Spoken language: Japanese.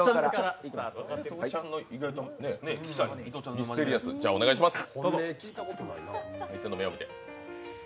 ミステリアス、じゃあ、お願いします。